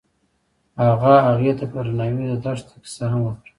هغه هغې ته په درناوي د دښته کیسه هم وکړه.